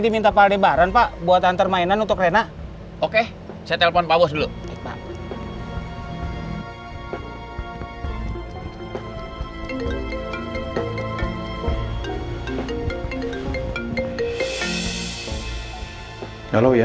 kamu gaspalin dikh deck ga lo